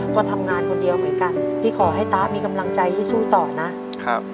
ก็ทำงานคนเดียวเหมือนกันพี่ขอให้ตามีกำลังใจที่สู้ต่อนะครับ